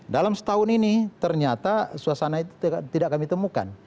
dalam setahun ini ternyata suasana itu tidak kami temukan